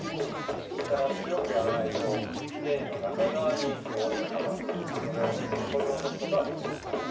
力、強くやらないと繊維の中側に汚れがたまっているのでそれを取り除くことができない。